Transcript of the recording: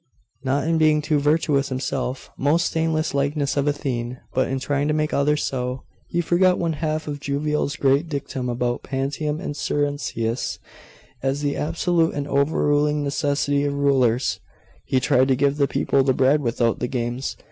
'Not in being too virtuous himself, most stainless likeness of Athene, but in trying to make others so. He forgot one half of Juvenal's great dictum about "Panem and Circenses," as the absolute and overruling necessities of rulers. He tried to give the people the bread without the games....